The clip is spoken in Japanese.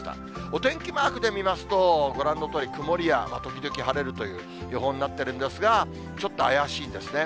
お天気マークで見ますと、ご覧のとおり曇りや時々晴れるという予報になってるんですが、ちょっと怪しいんですね。